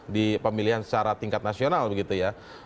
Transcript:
di pemilihan secara tingkat nasional begitu ya